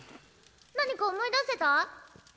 何か思い出せた？